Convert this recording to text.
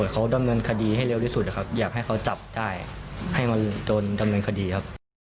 เขาดำเนินคดีให้เร็วที่สุดนะครับอยากให้เขาจับได้ให้มันโดนดำเนินคดีครับ